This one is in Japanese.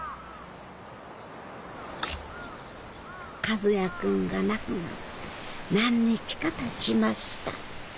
和也君が亡くなって何日かたちました